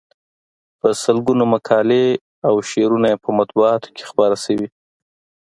په سلګونو مقالې او شعرونه یې په مطبوعاتو کې خپاره شوي.